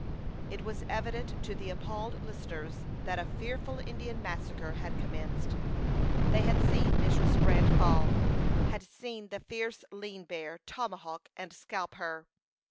It was evident to the appalled listeners that a fearful Indian massacre had commenced. They had seen Mrs. Grant fall; had seen the fierce Lean Bear tomahawk and scalp her.